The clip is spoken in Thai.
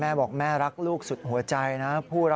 แม่บอกแม่รักลูกสุดหัวใจนะ